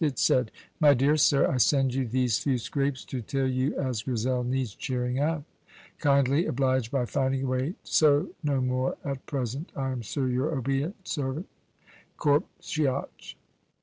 It said: "My dear Sir, I send you these few scrapes to tell you as Grizel needs cheering up. Kindly oblidge by finding a way so no more at present. I am sir your obed't Serv't Corp Shiach."